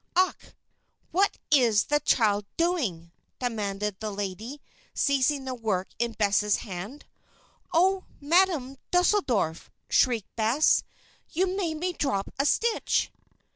"Ach! what is the child doing?" demanded the lady, seizing the work in Bess' hand. "Oh, Madam Deuseldorf!" shrieked Bess. "You made me drop a stitch."